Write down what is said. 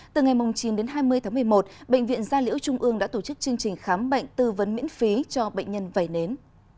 từ ngày chín đến hai mươi tháng một mươi một bệnh viện gia liễu trung ương đã tổ chức chương trình khám bệnh tư vấn miễn phí cho bệnh nhân vẩy nến